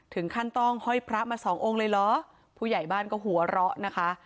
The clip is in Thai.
ถึงขั้นต้องห้อยพระมาสององค์เลยเหรอผู้ใหญ่บ้านก็หัวเราะนะคะ